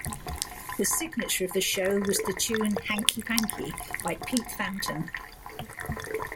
The signature of the show was the tune, "Hanky Panky", by Pete Fountain.